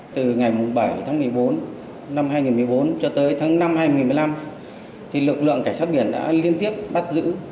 từ ngày bảy tháng một mươi bốn năm hai nghìn một mươi bốn cho tới tháng năm hai nghìn một mươi năm lực lượng cảnh sát biển đã liên tiếp bắt giữ